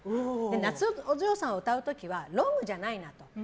「夏のお嬢さん」を歌う時はロングじゃないなと。